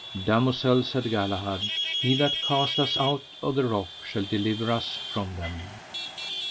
Damosel, said Galahad, He that cast us out of the rock shall deliver us from them.